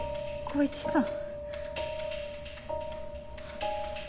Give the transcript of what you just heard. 公一さん！